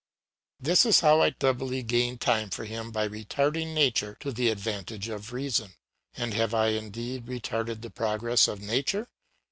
This is how I doubly gain time for him by retarding nature to the advantage of reason. But have I indeed retarded the progress of nature?